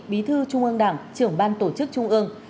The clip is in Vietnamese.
bí thư trung ương đảng trưởng ban tổ chức trung ương